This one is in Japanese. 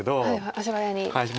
足早に。